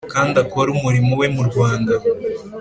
kandi akore umurimo we mu rwanda